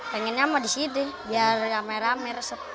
pengennya mau di sini biar rame rame